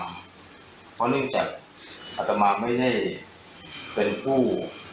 เพราะเนื่องจากอัตมาไม่ได้เป็นผู้